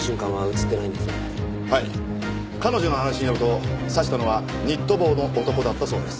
彼女の話によると刺したのはニット帽の男だったそうです。